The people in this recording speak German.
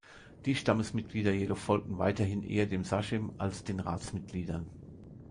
Die Stammesmitglieder jedoch folgten weiterhin eher dem Sachem als den Ratsmitgliedern.